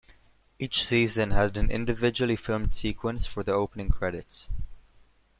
Each season had an individually filmed sequence for the opening credits.